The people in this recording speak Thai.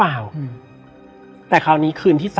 และวันนี้แขกรับเชิญที่จะมาเชิญที่เรา